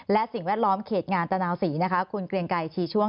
และสิ่งแวดล้อมเขตงานตะนาวศรีนะคะคุณเกรียงไกรชีช่วง